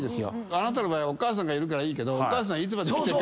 あなたの場合はお母さんがいるからいいけどお母さんいつまで生きてるか。